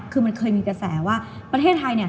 คือมันเคยมีกระแสว่าประเทศไทยเนี่ย